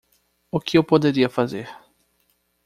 O que eu poderia fazer?